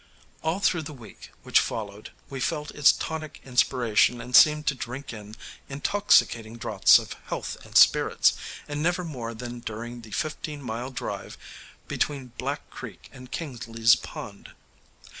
All through the week which followed we felt its tonic inspiration and seemed to drink in intoxicating draughts of health and spirits, and never more than during the fifteen mile drive between Black Creek and Kingsley's Pond.